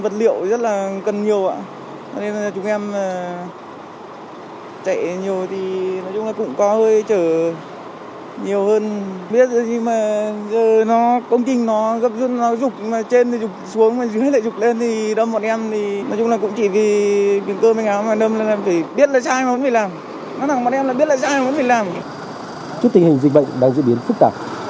trước tình hình dịch bệnh đang diễn biến phức tạp